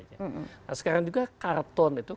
nah sekarang juga karton itu